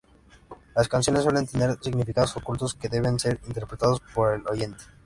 Las canciones suelen tener significados ocultos que deben ser interpretados por el oyente.